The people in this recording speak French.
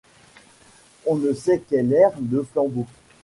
On ne sait quel air de flambeau.